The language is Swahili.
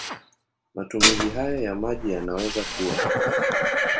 Matumizi hayo ya maji yanaweza kuwa